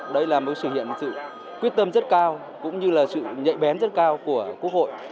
đây là một sự hiện sự quyết tâm rất cao cũng như là sự nhạy bén rất cao của quốc hội